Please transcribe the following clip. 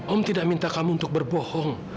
om tidak minta kamu untuk berbohong